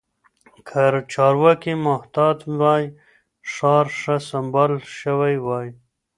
که چارواکي محتاط وای، ښار ښه سمبال شوی وای.